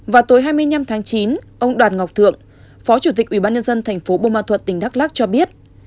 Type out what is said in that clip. vào tối hai mươi năm tháng chín ông đoàn ngọc thượng phó chủ tịch ubnd tp bô ma thuật tỉnh đắk lắc cho biết